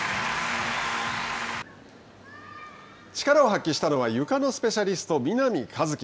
力を発揮したのはゆかのスペシャリスト南一輝。